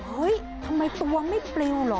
เฮ้ยทำไมตัวไม่ปลิวเหรอ